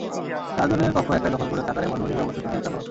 চারজনের কক্ষ একাই দখল করে থাকার এমন নজির অবশ্য তিনি একা নন।